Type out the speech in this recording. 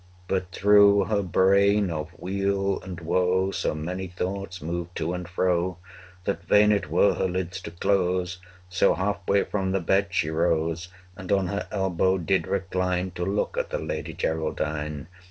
But through her brain of weal and woe So many thoughts moved to and fro, 240 That vain it were her lids to close; So half way from the bed she rose, And on her elbow did recline To look at the lady Geraldine.